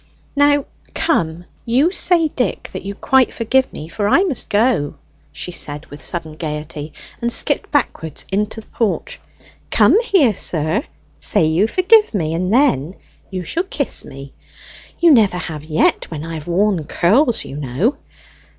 "Now come, you say, Dick, that you quite forgive me, for I must go," she said with sudden gaiety, and skipped backwards into the porch. "Come here, sir; say you forgive me, and then you shall kiss me; you never have yet when I have worn curls, you know.